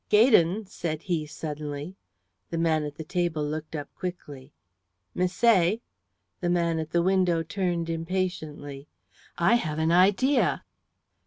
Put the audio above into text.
"Gaydon," said he, suddenly. The man at the table looked up quickly. "Misset." The man at the window turned impatiently. "I have an idea."